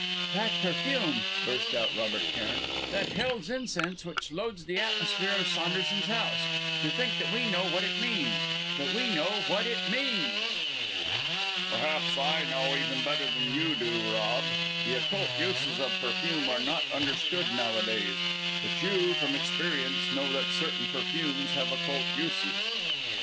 "That perfume!" burst out Robert Cairn; "that hell's incense which loads the atmosphere of Saunderson's house! To think that we know what it means that we know what it means!" "Perhaps I know even better than you do, Rob. The occult uses of perfume are not understood nowadays; but you, from experience, know that certain perfumes have occult uses.